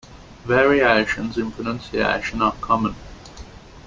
Variations in pronunciation are common.